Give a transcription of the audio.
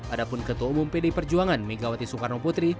adapun ketua umum pd perjuangan megawati soekarno putri